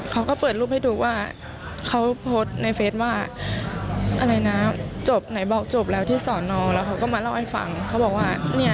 เขาก็เปิดรูปให้ดูว่าเขาโพสต์ในเฟสว่า